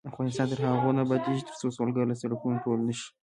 افغانستان تر هغو نه ابادیږي، ترڅو سوالګر له سړکونو ټول نشي.